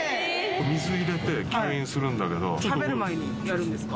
水入れて吸引するんだけど食べる前にやるんですか？